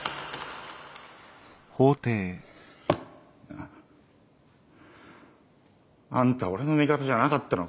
なああんた俺の味方じゃなかったのかよ。